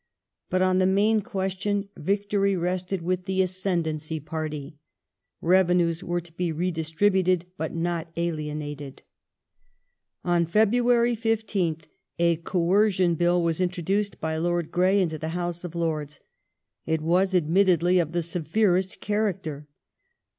But on the main question victory rested with the Ascendancy party. Revenues were to be redistributed, but not alienated. On February 15th a Coercion Bill was introduced by Lord Coercion Grey into the House of Lords. It was admittedly of the severest character.